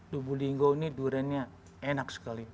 lubuk lingga ini duriannya enak sekali